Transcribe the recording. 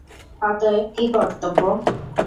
অতএব কী কর্তব্য?